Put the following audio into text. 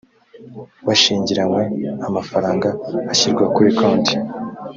bashingiranywe amafaranga ashyirwa kuri konti